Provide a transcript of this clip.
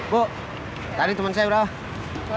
bu tadi temen saya berapa